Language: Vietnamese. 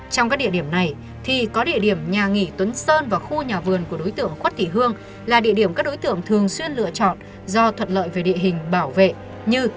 trong các địa điểm này thì có địa điểm nhà nghỉ tuấn sơn và khu nhà vườn của đối tượng khuất thị hương là địa điểm các đối tượng thường xuyên lựa chọn do thuật lợi về địa hình bảo vệ như